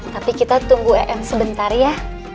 tapi kita tunggu em sebentar ya